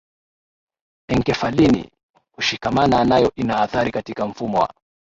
enkephalini hushikamana nayo ina athari katika mfumo wa